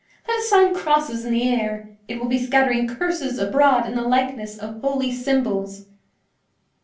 Let us sign crosses in the air! It will be scattering curses abroad in the likeness of holy symbols!"